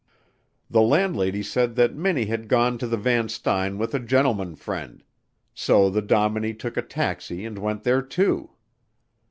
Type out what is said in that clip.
The landlady said that Minnie had gone to the Van Styne with a gentleman friend so the dominie took a taxi and went there, too.